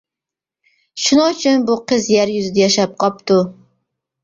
شۇنىڭ ئۈچۈن بۇ قىز يەر يۈزىدە ياشاپ قاپتۇ.